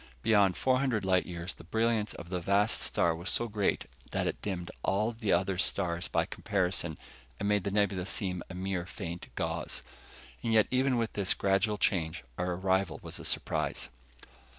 Beyond four hundred light years, the brilliance of the vast star was so great that it dimmed all the other stars by comparison, and made the nebula seem a mere faint gauze. And yet even with this gradual change, our arrival was a surprise.